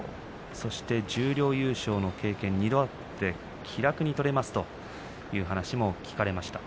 そして十両優勝の経験２度あって気楽に取れますという話も聞かれました。